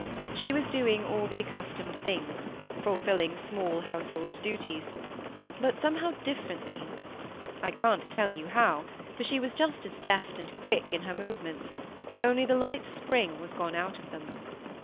She was doing all the accustomed things—fulfilling small household duties, but somehow differently—I can't tell you how, for she was just as deft and quick in her movements, only the light spring was gone out of them.